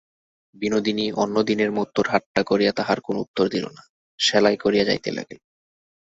বিনোদিনী অন্যদিনের মতো ঠাট্টা করিয়া তাহার কোনো উত্তর দিল না–সেলাই করিয়া যাইতে লাগিল।